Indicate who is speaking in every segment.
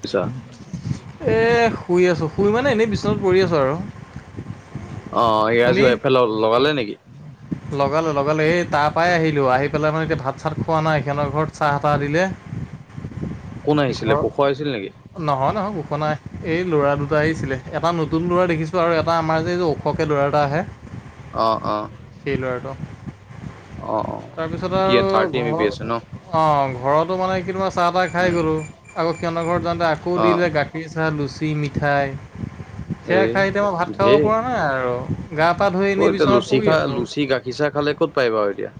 Speaker 1: পিছা।
Speaker 2: এ শুই আছোঁ, শুই মানে এনেই বিচনাত পৰি আছোঁ আৰু।
Speaker 1: অহ, ইয়া যি এইফালে লগালে নেকি?
Speaker 2: লগালোঁ-লগালোঁ এই তাৰ পৰাই আহিলোঁ। আহি পেলাই মানে এতিয়া ভাত-চাত খোৱা নাই সেইখনৰ ঘৰত চাহ-তাহ দিলে।
Speaker 1: কোন আহিছিলে,
Speaker 2: ঘৰ
Speaker 1: কোশো আহিছিল নেকি?
Speaker 2: নহয়, নহয়, কোশো নাই এই ল'ৰা দুটা আহিছিলে, এটা নতুন ল'ৰা দেখিছোঁ আৰু এটা আমাৰ যে ওখকে ল'ৰা এটা আহে।
Speaker 1: অহ', অহ'।
Speaker 2: সেই ল'ৰাটো।
Speaker 1: অহ', অহ'।
Speaker 2: তাৰপিছত আৰু ঘ' অহ, ঘৰতো মানে কিবা চাহ-তাহ খায়
Speaker 1: উম
Speaker 2: গ'লোঁ। আকৌ সিহঁতৰ ঘৰত যাওঁতে আকৌ
Speaker 1: অ
Speaker 2: দিলে গাখীৰ, চাহ, লুচি, মিঠাই। সেয়া
Speaker 1: এই
Speaker 2: খায় এতিয়া মই ভাত খাব
Speaker 1: ধেৰ
Speaker 2: পৰা নাই আৰু গা পা ধুই
Speaker 1: অ
Speaker 2: এনেই
Speaker 1: এতিয়া
Speaker 2: বিচনাত
Speaker 1: লুচি
Speaker 2: পৰি
Speaker 1: খা
Speaker 2: আছোঁ।
Speaker 1: লুচি গাখীৰ চাহ খালে ক'ত পাৰিব আৰু এতিয়া।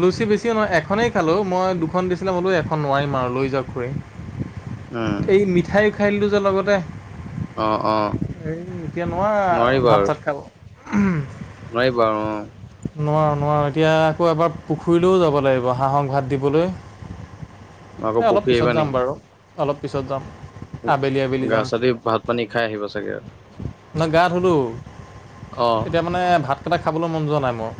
Speaker 2: লুচি বেছি নহয় এখনেই খালোঁ। মই দুখন দিছিলে বোলো এখন নোৱাৰিম আৰু লৈ যাওঁক
Speaker 1: উম
Speaker 2: খুৰী। এই মিঠাই খায় দিলোঁ যে লগতে।
Speaker 1: অ অ
Speaker 2: এই এতিয়া নোৱাৰা আৰু ভাত-চাত খাব।
Speaker 1: নোৱাৰিব আৰু অহ।
Speaker 2: নোৱাৰোঁ, নোৱাৰোঁ। এতিয়া আকৌ এবাৰ পুখুৰীলৈও যাব লাগিব হাঁহক ভাত দিবলৈ।
Speaker 1: আকৌ
Speaker 2: এই অলপ
Speaker 1: পুখুৰী
Speaker 2: পিছত
Speaker 1: আহিবা
Speaker 2: যাম
Speaker 1: নেকি
Speaker 2: বাৰু, অলপ পিছত যাম। আবেলি আবেলি
Speaker 1: গা চা ধুই ভাত পানী খায় আহিব চাগে আৰু।
Speaker 2: না গা ধুলোঁ
Speaker 1: অ
Speaker 2: এতিয়া মানে ভাতকেইটা খাবলৈ মন যোৱা নাই মোৰ।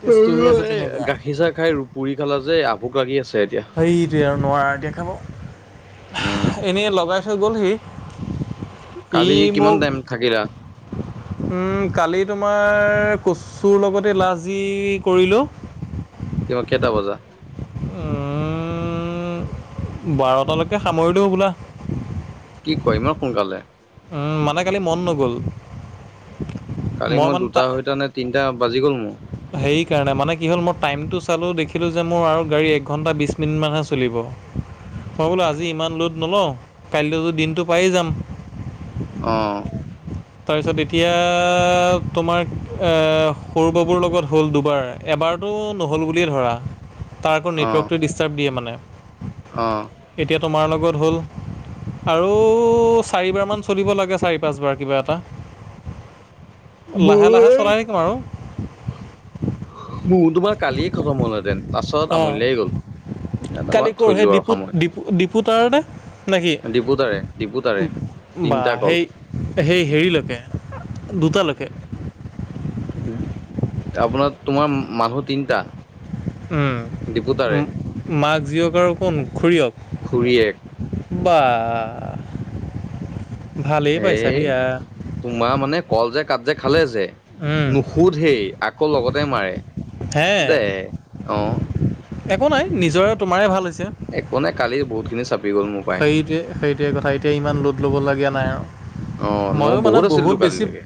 Speaker 2: কেচটো হৈ আছে তেনেকুৱা।
Speaker 1: গাখীৰ চাহ খায় পুৰি খালা যে আভুক লাগি আছে এতিয়া।
Speaker 2: সেইটোৱে আৰু নোৱাৰা এতিয়া
Speaker 1: উম
Speaker 2: খাব। এনেই লগাই থৈ গ'লহি। ই
Speaker 1: কালি কিমান
Speaker 2: মোক
Speaker 1: টাইম থাকিলা
Speaker 2: উম, কালি তোমাৰ কচুৰ লগতে লাজ যি কৰিলোঁ।
Speaker 1: কিয় কেইটা বজা?
Speaker 2: উম' বাৰটালৈকে সামৰিলোঁ হ'বলা।
Speaker 1: কি কয় ইমান সোনকালে।
Speaker 2: উম, মানে কালি মন নগ'ল।
Speaker 1: কালি মই দুটা সৈতে নে তিনিটা বাজি গ'ল মোৰ।
Speaker 2: সেই কাৰণে মানে কি হ'ল মই টাইমটো চালোঁ, দেখিলোঁ যে মোৰ আৰু গাড়ী একঘন্টা বিশ মিনতমান মান হে চলিব, মই বোলো আজি ইমান ল'ড নলওঁ কাইলৈতো দিনটো পায়েই যাম।
Speaker 1: অহ।
Speaker 2: তাৰপিছত এতিয়া তোমাৰ অহ, সৰু বাবুৰ লগত হ'ল দুবাৰ। এবাৰতটো নহ'ল বুলিয়ে ধৰা, তাৰ আকৌ নেটৱৰ্কটো ডিষ্টাৰ্ব দিয়ে মানে।
Speaker 1: অহ।
Speaker 2: এতিয়া তোমাৰ লগত হ'ল। আৰু চাৰিবাৰ মান চলিব লাগে, চাৰি পাঁচবাৰ কিবা এটা। এটা, লাহে-লাহে
Speaker 1: মোৰ
Speaker 2: চলাই থাকিম আৰু।
Speaker 1: মোৰ তোমাৰ কালিয়ে খতম হ'লহেতেন পাছত
Speaker 2: অঁ
Speaker 1: আমুলাই গ'ল। তোমাৰ
Speaker 2: কালি কৰ
Speaker 1: থৈ দিলো
Speaker 2: সেই
Speaker 1: আৰু
Speaker 2: দিপুত-দিপুতাৰ নে?
Speaker 1: দিপুতাৰে-দিপুতাৰে।
Speaker 2: বাহ সেই-সেই হেৰিলৈকে দুটালৈকে।
Speaker 1: আপোনাৰ তোমাৰ মানুহ তিনটা।
Speaker 2: উম, মাক জীয়েক আৰু কোন খুৰীয়ক।
Speaker 1: খুৰীয়ে।
Speaker 2: বাহ। পাইছা
Speaker 1: হেই
Speaker 2: দিয়া
Speaker 1: তোমাৰ মানে কল যে কাট যে খালে যে, নুশুধেইয়ে। আকৌ লগতে মাৰে
Speaker 2: হে
Speaker 1: দে অ'
Speaker 2: একো নাই নিজৰে তোমাৰে ভাল হৈছে
Speaker 1: একো নাই কালি বহুতখিনি চাপি গ'ল মোক
Speaker 2: সেইটোৱে সেইটোৱে কথা এতিয়া ইমান লোড ল'বলগীয়া নাই আৰু।
Speaker 1: অ' মোৰ
Speaker 2: ময়ো মানে
Speaker 1: আছিলতো
Speaker 2: বহুত বেছি
Speaker 1: কালিলৈকে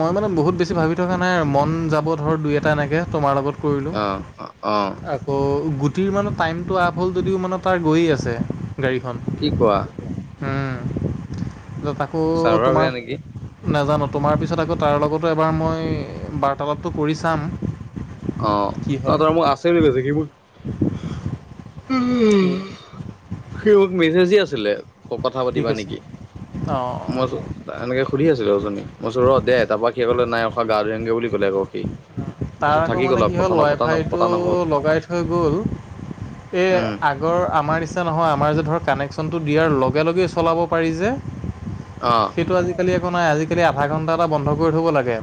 Speaker 2: মই মানে বহুত বেছি ভাবি থকা নাই মন যাব ধৰক দুই এটা এনেকৈ তোমাৰ লগত কৰিলোঁ
Speaker 1: অ', অ'। অ'।
Speaker 2: আ ত' গুটিৰ মানে টাইমটো আফ হ'ল যদিও মানে তাৰ গৈয়ে আছে গাড়ীখন
Speaker 1: কি কোৱা
Speaker 2: উম, তাকো
Speaker 1: চাৰ্ভাৰ
Speaker 2: তোমাৰ
Speaker 1: বেয়া নেকি
Speaker 2: নাজানোঁ তোমাৰ পিছত আকৌ তাৰ লগতো এবাৰ মই বাৰ্তালাপটো কৰি চাম।
Speaker 1: অ',
Speaker 2: কি
Speaker 1: নহ
Speaker 2: হয়
Speaker 1: তই মোক আছে বুলি কৈছে কি মোৰ
Speaker 2: কি
Speaker 1: সি মোক মেছেজ আছিলে কথা
Speaker 2: কি
Speaker 1: পাতিবা
Speaker 2: কৈছে
Speaker 1: নেকি
Speaker 2: অঁ
Speaker 1: মই এনেকৈ সুধিছিলোঁ জনী মই ৰ' দে তাৰৰা সি ক'লে নাই অখা গা ধুেগৈ বুলি ক'লে আকৌ সি
Speaker 2: তাৰ
Speaker 1: তাৰপিছত
Speaker 2: আকৌ
Speaker 1: থাকি গ'ল
Speaker 2: মানে
Speaker 1: আৰু
Speaker 2: কি
Speaker 1: কথা
Speaker 2: হ'ল ৱাই
Speaker 1: নপতা পতা
Speaker 2: ফাইটো
Speaker 1: নহ'ল
Speaker 2: লগাই থৈ গ'ল এই
Speaker 1: উম
Speaker 2: আগ আগৰ আমাৰ নিচিনা নহয় আমাৰ যে ধৰ কানেকশ্যনটো দিয়াৰ লগে লগেই চলাব পাৰি যে
Speaker 1: অ'।
Speaker 2: সেইটো আজিকালি একো নাই আজিকালি আধা ঘন্টা এটা বন্ধ কৰি থব লাগে।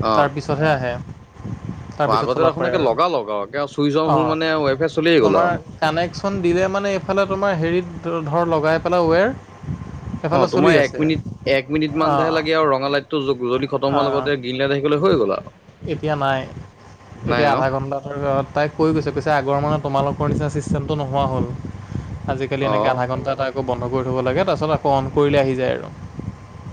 Speaker 1: অ'।
Speaker 2: চহে আহে।
Speaker 1: অ',
Speaker 2: তাৰপিছত
Speaker 1: আগতে
Speaker 2: চলাব
Speaker 1: দেখোনে
Speaker 2: পাৰে আৰু
Speaker 1: লগাল লগ আৰু চুইচ অন' হ'ল
Speaker 2: অঁ
Speaker 1: মানে ৱাইফাই চলিয়েই গ'ল
Speaker 2: তোমাৰ
Speaker 1: আৰু।
Speaker 2: কানেকশ্যন দিলে মানে এইফালে তোমাৰ হেৰিত ধৰ লগাই পেলাই ৱেৰ
Speaker 1: অ',
Speaker 2: সেইফালে চলি
Speaker 1: তোমাৰ এক
Speaker 2: আছে
Speaker 1: মিনিট এক মিনিট মানহে
Speaker 2: অঁ
Speaker 1: লাগে আৰু ৰঙা লাইটটো জ্বলি খতম হোৱাৰ
Speaker 2: অঁ
Speaker 1: লগতে কিনিল থাকিলে হৈ গ'ল আৰু।
Speaker 2: এতিয়া নাই
Speaker 1: নাই
Speaker 2: এতিয়া
Speaker 1: ন
Speaker 2: আধা ঘন্টা ধ তাই কৈ গৈছে কৈছে আগৰ মানে তোমালোকৰ নিচিনা চিষ্টেমটো নোহোৱা হ'ল আজিকালি এনেকে
Speaker 1: অ'
Speaker 2: আধা ঘণ্টা এটা আকৌ বন্ধ কৰি থ'ব লাগে তাৰপাছত আকৌ অন কৰিলে আহি যায় আৰু।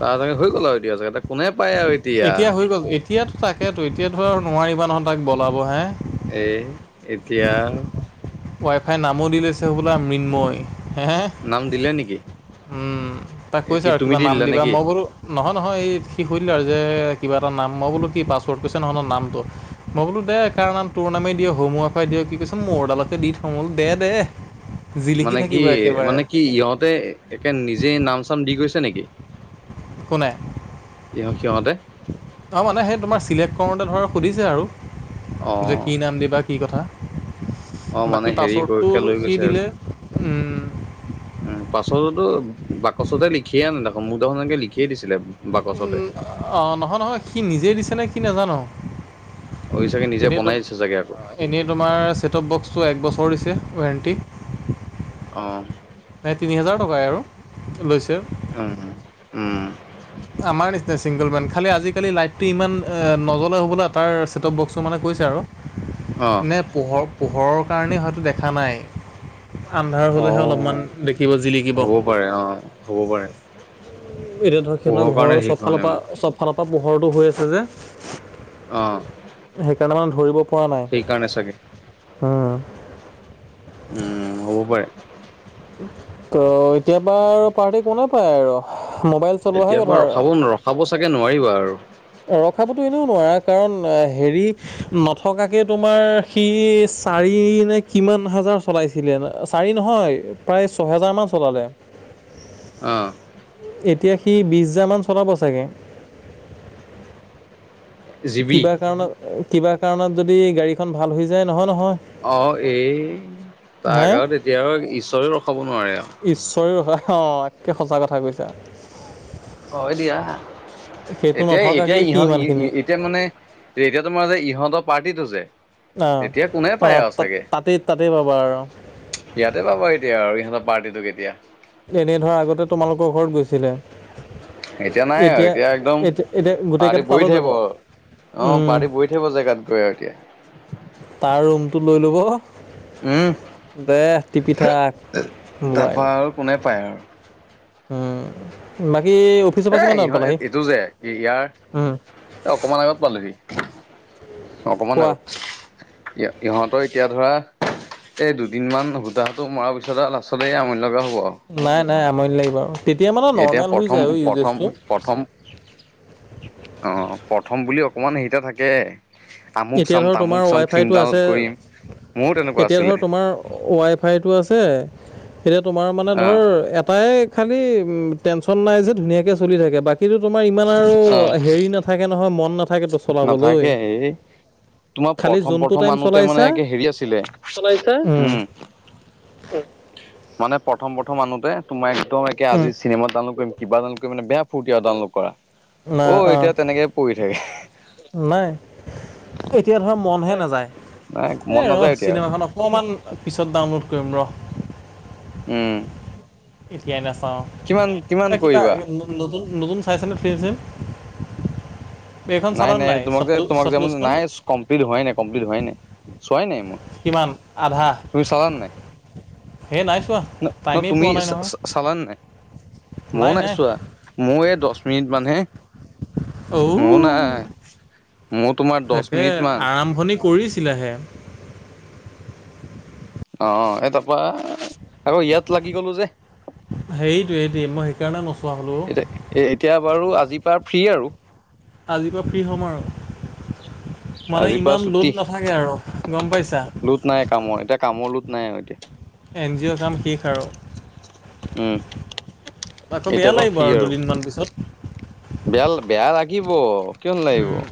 Speaker 1: তাৰ চাগে হৈ গ'ল আৰু এতিয়া চাগে ত কোনে পায় আৰু।
Speaker 2: এতিয়া হৈ গ'ল এতিয়াতো তাকেতো এতিয়াাতো আৰু নোৱাৰিবা নহয় তাক বলাব হে।
Speaker 1: এ এতিয়া
Speaker 2: ৱাইফাইৰ নামো দি লৈছে বোলা মৃন্ময় হে হে
Speaker 1: নাম দিলে নেকি
Speaker 2: উম, তাক কৈছ
Speaker 1: কি
Speaker 2: আৰু
Speaker 1: তুমি
Speaker 2: কিবা
Speaker 1: দি
Speaker 2: নাম
Speaker 1: দিলা
Speaker 2: দিবা
Speaker 1: নেকি
Speaker 2: মই বোলো নহয়, নহয় এই শিশল্য আৰু যে কিবা এটা নাম মই বোলো কি পাছৱৰ্ড কৈছোঁ নহ ন নামটো মই বোলো দে কাৰ নাম তোৰ নামে দিয় হোমৱ্ফাই দিয় কি কৈছ মোৰ দালকে দি থো দে দে জিলিকি
Speaker 1: মানে কি
Speaker 2: থাকিব একেবাৰে
Speaker 1: মানে কি ইহঁতে একে নিজে নাম চাম দি গৈছে নেকি?
Speaker 2: একো নাই
Speaker 1: ইহ সিহঁতে
Speaker 2: অ', মানে সেই তোমাৰ চিলেক্ট কৰোঁতে ধৰক সুধিছে আৰু।
Speaker 1: অ
Speaker 2: যে কি নাম দিবা কি কথা।
Speaker 1: অ মানে
Speaker 2: বাকী
Speaker 1: হেৰি
Speaker 2: পাছৱৰ্ডটো
Speaker 1: কৰিকে লৈ
Speaker 2: সি
Speaker 1: গৈছে
Speaker 2: দিলে
Speaker 1: পাছৱৰ্ডটো বাকচতে লিখিয়ে আ দেখোন মোৰ দেখোন এনেকৈ লিখিয়ে দিছিলে। বাকচতে
Speaker 2: অ', নহয় নহয় সি নিজেই দিছেনে সি নাজানোঁ
Speaker 1: অ ই চাগে নিজে
Speaker 2: এনেইতো
Speaker 1: বনাই দিছে চাগে আকৌ
Speaker 2: এনেই তোমাৰ ছেটপ বক্সটো এক বছৰ দিছে ৱোৰেণ্টি
Speaker 1: অ'
Speaker 2: নাই তিনি হোজাৰ টকাই আৰু লৈছে
Speaker 1: উম, উম।
Speaker 2: আমাৰ নিচিনা চিংগল মেন খালি আজিকালি লাইটটো ইমান নজ্বলে হ'বলা তাৰ চটেপ বক্সটো মানে কৈছে আৰু
Speaker 1: অ
Speaker 2: নে পোহৰ পোহৰৰ কাৰণেই হয়তো দেখা নাই। আন্ধাৰ
Speaker 1: অ
Speaker 2: হ'লেহে অলপমান দেখিব জিলিকিব।
Speaker 1: হ'ব পাৰে অ' হ'ব পাৰে।
Speaker 2: এতিয়া ধৰ
Speaker 1: পোহৰ
Speaker 2: সিহঁতৰ
Speaker 1: কাৰণে
Speaker 2: ঘৰৰ
Speaker 1: হেৰি হোৱা নাই
Speaker 2: চবফালৰপৰা
Speaker 1: মানে
Speaker 2: চবফালৰপৰা পোহৰটো হৈ আছে যে
Speaker 1: অ'।
Speaker 2: সেইকাৰণে মানে ধৰিব পৰা নাই
Speaker 1: সেই কাৰণে চাগে, উম, হ'ব পাৰে।
Speaker 2: ত' এতিয়াৰপা পাৰ্টি কোনেওঁ নাপায় আৰু মোবাইল চলোৱাহে কথা
Speaker 1: এতিয়াৰপৰা
Speaker 2: আৰু
Speaker 1: ৰখাব ৰখাব চাগৈ নোৱাৰিবা আৰু।
Speaker 2: ৰখাবতো এনেও নোৱাৰা কাৰণ হেৰি নথকাকে তোমাৰ সি চাৰি নে কিমান হাজাৰ চলাইছে। ছিলে চাৰি নহয়, প্ৰায় ছহেজাৰমান চলালে।
Speaker 1: অ'।
Speaker 2: এতিয়া সি বিশহাজাৰ মান চলাব চাগে।
Speaker 1: জিবি
Speaker 2: কিবা কাৰণত কিবা কাৰণত যদি গাড়ীখন ভাল হৈ যায় নহয়, নহয়।
Speaker 1: অ' এই তাৰ
Speaker 2: হে
Speaker 1: গাঁৱত এতিয়া আৰু ঈশ্বৰে ৰখাব নোৱাৰে আৰু।
Speaker 2: ঈশ্বৰে অ' একে সঁচা কথা কৈছা।
Speaker 1: অ' দিয়া,
Speaker 2: সেইটো
Speaker 1: এতিয়া এতিয়া
Speaker 2: নথকাকেই সি
Speaker 1: ইহত ই
Speaker 2: ইমানখিনি
Speaker 1: এতিয়া মানে এতিয়া তোমাৰ যে ইহঁতৰ পাৰ্টিটো যে
Speaker 2: অ',
Speaker 1: এতিয়া কোনে পায়
Speaker 2: অ'
Speaker 1: আৰু চাগে
Speaker 2: তাতেই তাতেই পাবা আৰু।
Speaker 1: ইয়াতে পাবা এতিয়া আৰু ইহঁতৰ পাৰ্টিটো কেতিয়া।
Speaker 2: এনে ধৰা আগতে তোমালোকৰ ঘৰত গৈছিলে।
Speaker 1: এতিয়া নাই আৰু এতিয়া একদম
Speaker 2: এতিয়া এতিয়া
Speaker 1: পাৰ্টি
Speaker 2: গোটেইকেইটা
Speaker 1: বহি
Speaker 2: তালৈ
Speaker 1: থাকিব।
Speaker 2: যাব
Speaker 1: অ'
Speaker 2: উম,
Speaker 1: পাৰ্টি বহি থাকিব জেগাত গৈ একে।
Speaker 2: তাৰ ৰুমটো লৈ ল'ব
Speaker 1: উম
Speaker 2: দে টিপি থাক
Speaker 1: তাৰপা
Speaker 2: মোবাইল।
Speaker 1: আৰু কোনে পায় আৰু।
Speaker 2: উম। বাকি অফি
Speaker 1: এ, ইহঁত এইটো যে ইয়াৰ
Speaker 2: উম
Speaker 1: অকমান আগত পালোহি। অকমান
Speaker 2: কোৱা
Speaker 1: আগত। ই-ইহঁতৰ এতিয়া ধৰা এই দুদিনমান সূতাটো মৰাৰ পিছত আৰু লাষ্টতে এ, আমনি লগা হ'ব আৰু।
Speaker 2: নাই নাই আমনি নালাগি বাৰু, তেতিয়া মানে
Speaker 1: এতিয়া
Speaker 2: নৰ্মেল হৈ
Speaker 1: প্ৰথম
Speaker 2: যায়
Speaker 1: প্ৰথম
Speaker 2: ইউজেচটো।
Speaker 1: প্ৰথম, অ' প্ৰথম বুলি অকমান হেৰি এটা থাকে। তামুক
Speaker 2: এতিয়া
Speaker 1: চাম
Speaker 2: ধৰ তোমাৰ
Speaker 1: তামুক
Speaker 2: ৱাই
Speaker 1: চাম, ফিল্ম
Speaker 2: ফাইটো আছে
Speaker 1: ডাউনলোড কৰিম, মোৰো তেনেকুৱা আছিলে।
Speaker 2: ৱাইফাইটো আছে, এতিয়া তোমাৰ মানে ধৰ এটাই খালি উ, টেনচন নাই যে ধুনীয়াকে চলি থাকে, বাকী তোমাৰ ইমান আৰু
Speaker 1: অ
Speaker 2: হেৰি না নাথাকে নহয়, মন নাথাকেতো চলাবলৈ।
Speaker 1: নাথাকে এই তোমাৰ
Speaker 2: খালি
Speaker 1: প্ৰথম
Speaker 2: যোনটো
Speaker 1: প্ৰথম
Speaker 2: টাইম
Speaker 1: আনোতে মানে
Speaker 2: চলাইছা
Speaker 1: একে হেৰি আছিলে, চলাইছা,
Speaker 2: উম
Speaker 1: উম। মানে প্ৰথম প্ৰথম আনোতে তোমাৰ একদম একে
Speaker 2: উম
Speaker 1: আজি চিনেমা ডানলুদ কৰিম, কিবা জানো মানে বেয়া ফুুৰ্তি আৰু ডাউনলোড কৰা,
Speaker 2: নাই
Speaker 1: অ'
Speaker 2: অঁ
Speaker 1: এতিয়া তেনেকে পৰি থাকে।
Speaker 2: নাই, এতিয়া ধৰ মনহে
Speaker 1: নাই
Speaker 2: নাযায়৷
Speaker 1: নাই মন
Speaker 2: এ,
Speaker 1: নাযায়
Speaker 2: ৰ'
Speaker 1: এতিয়া আৰু
Speaker 2: চিনেমাখন অকমান পিছত ডাউনলোড কৰিম ৰ'৷
Speaker 1: উম।
Speaker 2: এতিয়াই নাচাও
Speaker 1: কিমান কিমান
Speaker 2: এ, কিবা
Speaker 1: কৰিবা
Speaker 2: নতু নতুন নতুন চাইছানে ফ্ৰী এ চিম?
Speaker 1: নাই নাই, তোমাক যে তোমাক যে, নাই কমপ্লিট হোৱাই নাই কমপ্লিট হোৱাই নাই, চোৱাই নাই মই৷
Speaker 2: কিমান, আধা? সেই নাই চোৱা
Speaker 1: ন' ন'
Speaker 2: টাইমেই
Speaker 1: তুমি
Speaker 2: পোৱা নাই নহয়
Speaker 1: চাচালানে নাই? ময়ো নাই চোৱা। মোৰ এই দচ মিনিটমানহে।
Speaker 2: অ'।
Speaker 1: মোৰ নাই, মত
Speaker 2: তাকে আৰাম্ভণি কৰিছিলেহে।
Speaker 1: অ' এ তাৰপৰা আকৌ ইয়াত লাগি গলো যে,
Speaker 2: হেৰিটোৱে সেইটোৱে মই সেইকাৰণে নোচোৱা হ'লো অ'
Speaker 1: এতা এ এতিয়া বাৰু আজিৰ পৰা ফ্ৰী আৰু।
Speaker 2: আজিৰ পৰা ফ্ৰী হ'ম আৰু, মানে
Speaker 1: আজিৰ পৰা
Speaker 2: ইমান লোড নাথাকে আৰু, গম পাইছা?
Speaker 1: লোড নাই কামৰ, এতিয়া কামৰ লোড নাই আৰু এতিয়া।
Speaker 2: এনজিঅ'ৰ কাম শেষ আৰু।
Speaker 1: উম
Speaker 2: আকৌ
Speaker 1: এতিয়াৰ
Speaker 2: বেয়া লাগিব আৰু দুদিনমান পাছত।
Speaker 1: বেল, বেয়া লাগিব। কিয় নালাগিব
Speaker 2: উম,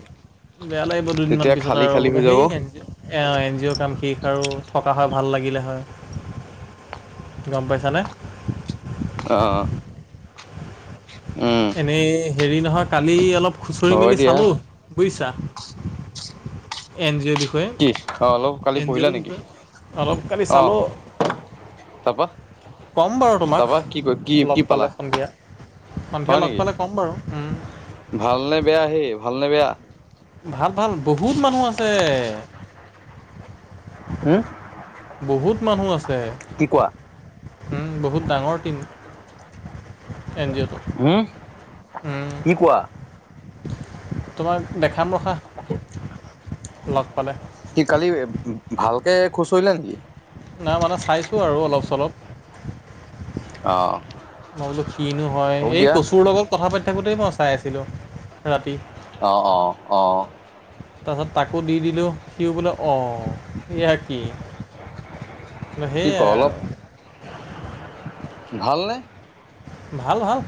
Speaker 2: বেয়া লাগিব দুদিনমান
Speaker 1: তেতিয়া
Speaker 2: পিছত
Speaker 1: খালী
Speaker 2: আৰু
Speaker 1: খালী হৈ
Speaker 2: বোলে
Speaker 1: যাব
Speaker 2: সেই হেন। এও এনজিঅ'ৰ কাম শেষ আৰু, থকা হয় ভাল লাগিলে হয়। গম পাইছানে?
Speaker 1: অ'। উম,
Speaker 2: এনেই হেৰি নহয়, কালি অলপ খুচুৰি
Speaker 1: হয়
Speaker 2: মেলি
Speaker 1: দিয়া
Speaker 2: চালোঁ। বুজিছা, এনজিঅ' দেখ কেতোয়ে,
Speaker 1: কি অ', অলপ কালি পঢ়িলা
Speaker 2: এনজিঅ'ৰ
Speaker 1: নেকি
Speaker 2: বিষয়ে অলপ কালি
Speaker 1: অ',
Speaker 2: চালোঁ।
Speaker 1: তাৰপা
Speaker 2: ক'ম বাৰু তোমাক,
Speaker 1: তাৰপা কি ক কি কি
Speaker 2: লগ
Speaker 1: পালা
Speaker 2: পালে সন্ধিয়া, সন্ধিয়া
Speaker 1: হয়
Speaker 2: লগ
Speaker 1: নেকি
Speaker 2: পালে ক'ম বাৰু, উম।
Speaker 1: ভালনে বেয়া সেই, ভালনে বেয়া?
Speaker 2: ভাল ভাল, বহুত মানুহ আছে।
Speaker 1: হম?
Speaker 2: বহুত মানুহ আছে৷
Speaker 1: কি কোৱা।
Speaker 2: উম বহুত ডাঙৰ টিম এন জি অ'টো।
Speaker 1: হম, কি কোৱা?
Speaker 2: তোমাক দেখাম ৰখা।
Speaker 1: [unintelligible]
Speaker 2: লগ পালে।
Speaker 1: সি কালি, ভালকে খোচৰিলে নেকি?
Speaker 2: নাই মানে, চাইছোঁ আৰু অলপ চলপ।
Speaker 1: অ',
Speaker 2: মই বোলো কিনো হয়,
Speaker 1: হওক
Speaker 2: এই
Speaker 1: দিয়া
Speaker 2: কচুৰ লগত কথা পাতি থাকোতেই মই চাই আছিলো, ৰাতি।
Speaker 1: অ' অ', অ'।
Speaker 2: তাৰপিছত তাকো দি দিলো, সিও বোলে অ' এইয়া কি?
Speaker 1: কি
Speaker 2: সেয়াই
Speaker 1: ক, অলপ,
Speaker 2: আৰু
Speaker 1: ভালনে?
Speaker 2: ভাল ভাল।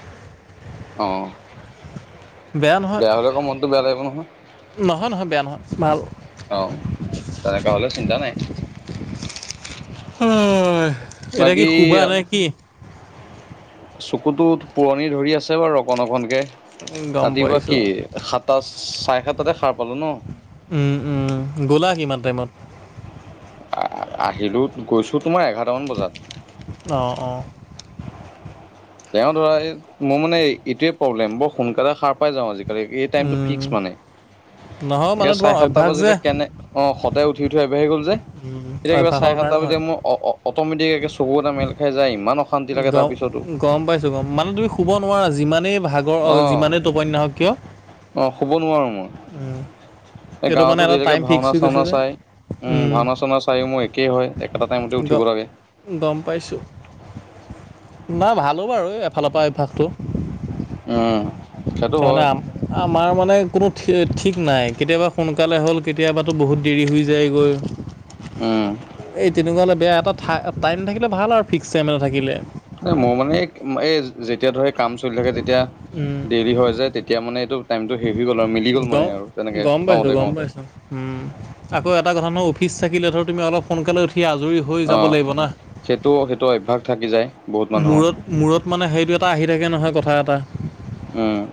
Speaker 1: অ'। বেয়া হলে, আকৌ মনতো বেয়া লাগিব নহয়।
Speaker 2: নহয় নহয়, বেয়া নহয়, ভাল।
Speaker 1: অ', তেনেকুৱা হ'লেও চিন্তা নাই।
Speaker 2: এই, এতিয়া কি
Speaker 1: বাকী
Speaker 2: শুবা নেকি?
Speaker 1: চকুতো টোপনি ধৰি আছে বাৰু, অকন অকনকে,
Speaker 2: গম
Speaker 1: ৰাতিপুৱা কি
Speaker 2: পাইছোঁ
Speaker 1: সাত তাত চাৰে সাত তাতে সাৰ পালো ন।
Speaker 2: উম, উম, গ'লা কিমান টাইমত?
Speaker 1: আহিলোঁ, গৈছোঁ, তোমাৰ এঘাৰটামান বজাত।
Speaker 2: অ', অ'।
Speaker 1: তেওঁ ধৰা, এই মোৰ মানে এইটোৱে প্ৰব্লেম, বৰ সোনকালে সাৰ পাই যাওঁ আজিকালি। এই টাইমটো ফিক্স মানে,
Speaker 2: নহয়
Speaker 1: এ
Speaker 2: মানে তোমাৰ
Speaker 1: চাৰে সাতটা
Speaker 2: অভ্যাস যে
Speaker 1: বাজিলে কেনে অ', সদায় উঠি, উঠি অভ্যাস হৈ গ'ল যে, এতিয়া কিবা চাৰে
Speaker 2: অভ্যাসৰ
Speaker 1: সাতটা
Speaker 2: কাৰণে হয়
Speaker 1: বজাত মই অ-অ-অট'মেটিক একে চকু কেইটা মেল খাই যায় ইমান অশান্তি লাগে তাৰ পিছতো
Speaker 2: গাম-গাম পাইছোঁ। মানে তুমি শুব নোৱাৰা। যিমানেই ভাগৰ, যিমানেই টোপনি নাহক কিয়।
Speaker 1: অহ, শুব নোৱাৰোঁ মই। এই
Speaker 2: এইটো মানে
Speaker 1: গাঁৱতো
Speaker 2: এটা
Speaker 1: দেৰিকে
Speaker 2: টাইম ফিক্স হৈ গৈছে
Speaker 1: ভাওনা-চাওনা
Speaker 2: যে
Speaker 1: চাই উম, ভাওনা-চাওনা চাইও মোৰ একেই হয়। একেটা টাইমতে
Speaker 2: গ
Speaker 1: উঠিব লাগে।
Speaker 2: গম পাইছোঁ, না ভালো বাৰু এই এফালৰ পৰা অভ্যাসটো।
Speaker 1: উম। সেইটো
Speaker 2: তাৰমানে
Speaker 1: হয়
Speaker 2: আ আমাৰ মানে কোনো ঠি-ঠিক নাই, কেতিয়াবা সোনকালে হ'ল কেতিয়াবাটো বহুত দেৰি হৈ যায়। যায় গৈ।
Speaker 1: উম
Speaker 2: এই তেনেকুৱা হ'লে বেয়া, এটা টাইম থাকিলে ভাল আৰু ফিক্স টাইম এটা থাকিলে।
Speaker 1: নাই মই মানে এক-এই যেতিয়া ধৰি কাম চলি থাকে তেতিয়া দেৰি হৈ যায় তেতি এতিয়া মানে এইটো টাইমটো হেভি গ'ল আৰু মিলি গ'ল মানে
Speaker 2: গম
Speaker 1: আৰু তেনেকে
Speaker 2: গম পাইছোঁ গম
Speaker 1: কওঁতে-কওঁতে।
Speaker 2: পাইছোঁ উম, আকৌ এটা কথা নহয় অফিচ থাকিলে ধৰ তুমি অলপ সোনকালে উঠ উঠি আজৰি হৈ
Speaker 1: অ
Speaker 2: যাব লাগিব না।
Speaker 1: সেইটো সেইটো অভ্যাস থাকি যায় বহুত মানুহৰ
Speaker 2: মূৰত মূৰত মানে সেইটো এটা আহি থাকে নহয় কথা এটা।
Speaker 1: উম,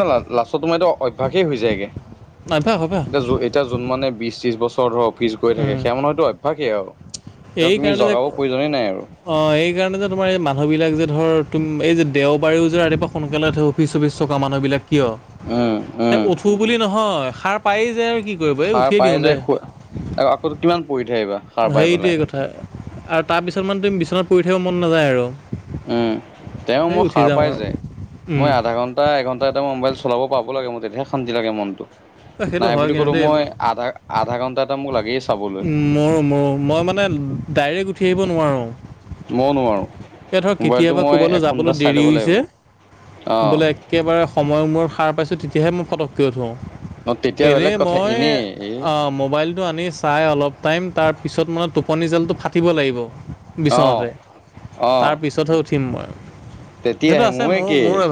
Speaker 1: না লাষ্টত তোমাৰ এইটো অভ্যাসেই হৈ যায়গে।
Speaker 2: অভ্যাস হ'ব।
Speaker 1: এতিয়া এতিয়া যোন মানে বিশ ত্ৰিশ বছৰ ধৰ অফিচ গৈ থাকে সেইয়া মানে হয়তো অভ্যাসেই আৰু। তেওঁক
Speaker 2: সেই
Speaker 1: তুমি
Speaker 2: কাৰণে যে
Speaker 1: জগাব প্ৰয়োজনেই নাই আৰু
Speaker 2: অহ, এই কাৰণে যে তোমাৰ এই মানুহবিলাক যে ধৰ তুম, এই যে দেওবাৰেও যে ৰাতিপুৱা সোনকালে উঠে অফিচ-চফিচ থকা মানুহবিলাক কিয়?
Speaker 1: উম', উম'।
Speaker 2: উঠো বুলি নহয়, সাৰ পায়েই যায় আৰু কি কৰিব এই উঠিয়ে দিওঁ দে।
Speaker 1: আৰু আকৌ কিমান পৰি থাকিবা। সাৰ পাই
Speaker 2: সেইটোৱে
Speaker 1: পেলাই
Speaker 2: কথা আৰু তাৰপিছত মানে তুমি বিচনাত পৰি থাকিব মন নাযায় আৰু।
Speaker 1: উম, তেওঁ
Speaker 2: এই
Speaker 1: মোৰ
Speaker 2: উঠি
Speaker 1: সাৰ
Speaker 2: যাম
Speaker 1: পাই
Speaker 2: আৰু
Speaker 1: যায়, মই আধা ঘন্টা এটা এঘণ্টা এটা মই মোবাইল চলাব পাব লাগে, মই তেতিয়াহে শান্তি লাগে মনটো,
Speaker 2: এই সেইটো
Speaker 1: নাই
Speaker 2: হয়
Speaker 1: বুলি
Speaker 2: কিন্তু
Speaker 1: কলেওঁ
Speaker 2: দেই
Speaker 1: মই আধা-আধা ঘণ্টা এটা মোক লাগ
Speaker 2: মোৰো মোৰো, মই মানে ডাইৰেক্ট উঠি আহিব নোৱাৰোঁ।
Speaker 1: মইও নোৱাৰো।
Speaker 2: এ ধৰ কেতিয়াবা ক'ৰবালৈ যাবলৈ দেৰি
Speaker 1: লাগিব
Speaker 2: হৈছে,
Speaker 1: অঁ।
Speaker 2: বোলে একেবাৰে সময় মূৰত সাৰ পাইছোঁ, তেতিয়াহে মই পটককৈ উঠো।
Speaker 1: অ তেতিয়া
Speaker 2: এনেই
Speaker 1: বেলেগ কথা
Speaker 2: মই
Speaker 1: এনেই এ
Speaker 2: অহ মোবাইলটো আনি চাই অলপ টাইম তাৰপিছত মানে টোপনি জালটো ফাটিব লাগিব।
Speaker 1: অ
Speaker 2: বিচনাতে,
Speaker 1: অ
Speaker 2: তাৰপিছতহে উঠিম মই। সেইটো
Speaker 1: তেতিয়াহে,
Speaker 2: আছে
Speaker 1: মইয়ো
Speaker 2: মোৰ
Speaker 1: একেই।
Speaker 2: মোৰ